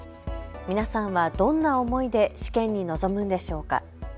皆さんはどんな思いで試験に臨むのでしょうか。